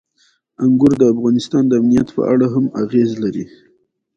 انګور د افغانستان د امنیت په اړه هم اغېز لري.